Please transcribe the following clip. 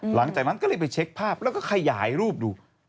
หลังจากนั้นก็เลยไปเช็คภาพแล้วก็ขยายรูปดู